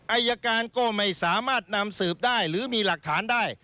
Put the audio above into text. อายการก็ไม่สามารถนำสืบได้หรือมีหลักฐานได้